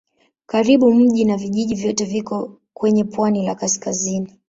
Karibu miji na vijiji vyote viko kwenye pwani la kaskazini.